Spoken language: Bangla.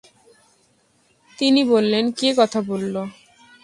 তিনি বললেন, কে কথা বলল?